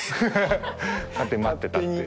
勝手に待ってたっていう。